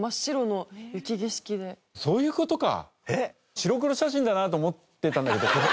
白黒写真だなって思ってたんだけど。